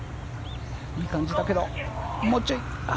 いい感じだけどもうちょい。